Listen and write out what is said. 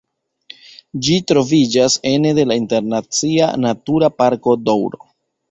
Ĝi troviĝas ene de la Internacia Natura Parko Doŭro.